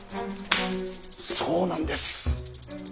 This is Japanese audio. そうなんです。